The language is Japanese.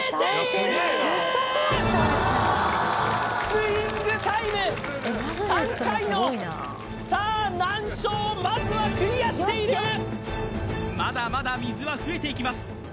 スイングタイム３回のさあ難所をまずはクリアしているまだまだ水は増えていきます